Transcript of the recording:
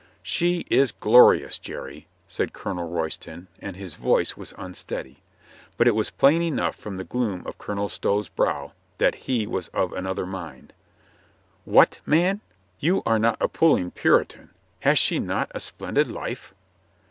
"She is glorious, Jerry !" said Colonel Royston, and his voice was unsteady. But it was plain enough, from the gloom of Colonel Stow's brow, that he was of another mind. "What, man ! You are not a puling Puritan ! Hath she not a splendid life?"